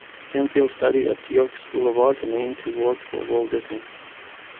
Camfield studied at York School of Art and aimed to work for Walt Disney.